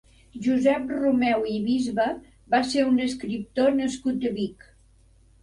Josep Romeu i Bisbe va ser un escriptor nascut a Vic.